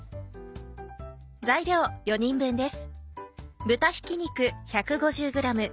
材料４人分です。